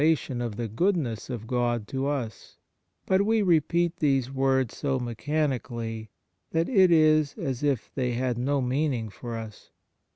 54 ON THE SUBLIME UNION WITH GOD goodness of God to us; but we repeat these words so mechanically that it is as if they had no meaning for us.